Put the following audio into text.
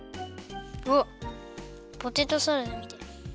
おっポテトサラダみたい。